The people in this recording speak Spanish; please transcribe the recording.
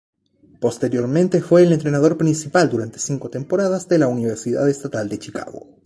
Posteriormente fue el entrenador principal durante cinco temporadas de la Universidad Estatal de Chicago.